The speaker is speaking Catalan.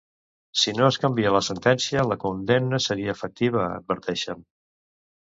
Si no es canvia la sentència, la condemna seria efectiva, adverteixen.